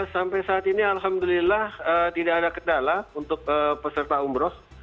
sampai saat ini alhamdulillah tidak ada kendala untuk peserta umroh